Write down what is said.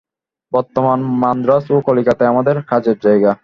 বর্তমানে মান্দ্রাজ ও কলিকাতাই আমাদের কাজের জায়গা।